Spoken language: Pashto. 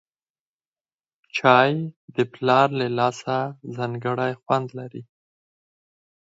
چای د پلار له لاسه ځانګړی خوند لري